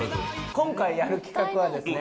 今回やる企画はですね。